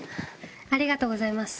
ありがとうございます。